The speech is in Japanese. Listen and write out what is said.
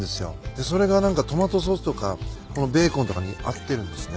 でそれが何かトマトソースとかこのベーコンとかに合ってるんですね。